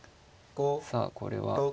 さあこれは。